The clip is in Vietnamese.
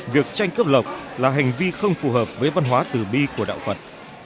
việc tranh cướp lọc là hành vi không phù hợp với văn hóa tử bi của đạo phật